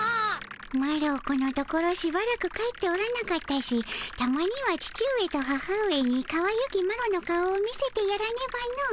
マロこのところしばらく帰っておらなかったしたまには父上と母上にかわゆきマロの顔を見せてやらねばの。